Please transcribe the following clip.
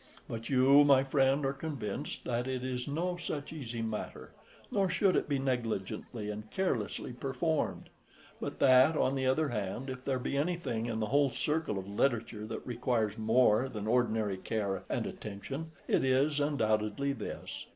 But you, my friend, are convinced that it is no such easy matter, nor should it be negligently and carelessly performed; but that, on the other hand, if there be anything in the whole circle of literature that requires more than ordinary care and attention, it is undoubtedly this.